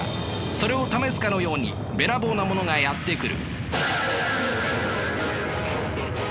それを試すかのようにべらぼうなものがやって来る。